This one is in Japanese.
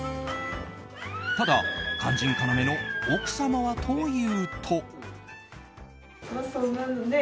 ただ、肝心要の奥様はというと。